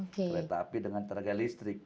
kereta api dengan tenaga listrik